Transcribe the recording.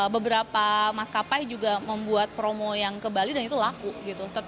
beberapa maskapai juga membuat promo yang ke bali dan itu laku gitu